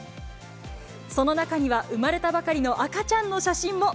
その中には、産まれたばかりの赤ちゃんの写真も。